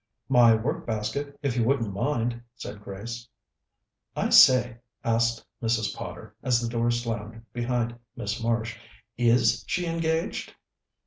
"My work basket, if you wouldn't mind," said Grace. "I say," asked Mrs. Potter, as the door slammed behind Miss Marsh, "is she engaged?"